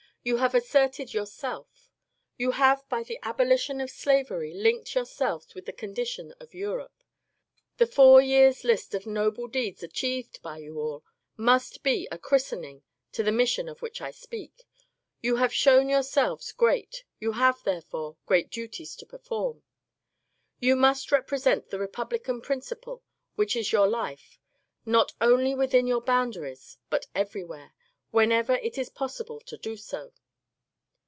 Yoa have asserted your self. You have by the abolition of slavery linked your selves with the condition of Europe. The four years' list of noble deeds achieved by you all must be a christening to the mission of which I speak. You have shown yourselves great : you have, therefore, great duties to perform. You must represent the republican principle, which is your life, not only within your boundaries but everywhere, when ever it is possible to do so.